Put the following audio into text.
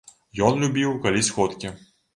Ён любіў, калі сходкі.